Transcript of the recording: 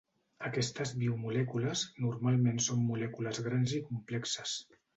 Aquestes biomolècules normalment són molècules grans i complexes.